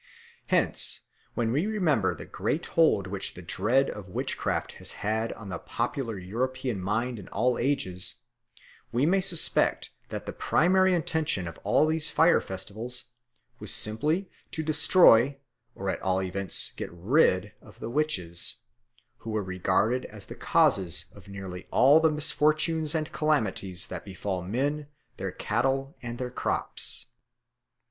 Hence, when we remember the great hold which the dread of witchcraft has had on the popular European mind in all ages, we may suspect that the primary intention of all these fire festivals was simply to destroy or at all events get rid of the witches, who were regarded as the causes of nearly all the misfortunes and calamities that befall men, their cattle, and their crops.